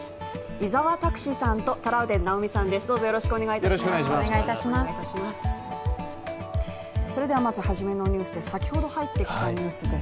伊沢拓司さんと、トラウデン直美さんです。